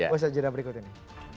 bersajaran berikut ini